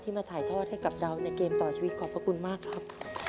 มาถ่ายทอดให้กับเราในเกมต่อชีวิตขอบพระคุณมากครับ